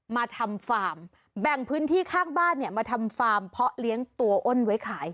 มาทำฟาร์มแบ่งพื้นที่ข้างบ้านเนี่ยมาทำฟาร์มเพาะเลี้ยงตัวอ้นไว้ขาย